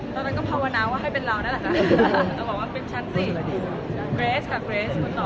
ตอนนั้นก็พาวนานวะให้เป็นเราแน่แล้วค่ะ